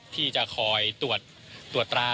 ที่จะคอยตรวจตรา